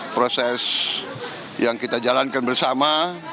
proses yang kita jalankan bersama